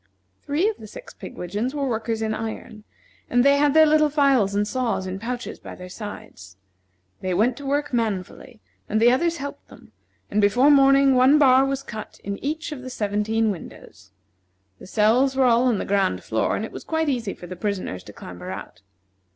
Three of the six pigwidgeons were workers in iron, and they had their little files and saws in pouches by their sides. They went to work manfully, and the others helped them, and before morning one bar was cut in each of the seventeen windows. The cells were all on the ground floor, and it was quite easy for the prisoners to clamber out.